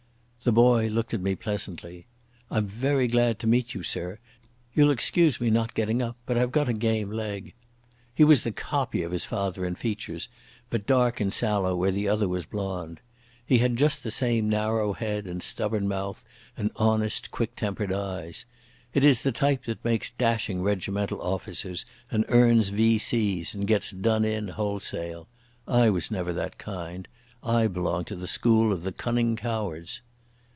The boy looked at me pleasantly. "I'm very glad to meet you, sir. You'll excuse me not getting up, but I've got a game leg." He was the copy of his father in features, but dark and sallow where the other was blond. He had just the same narrow head, and stubborn mouth, and honest, quick tempered eyes. It is the type that makes dashing regimental officers, and earns V.C.s, and gets done in wholesale. I was never that kind. I belonged to the school of the cunning cowards.